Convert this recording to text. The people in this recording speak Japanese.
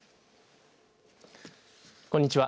こんにちは。